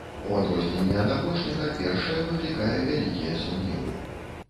У адрозненне ад апошняга, першае выклікае вялікія сумневы.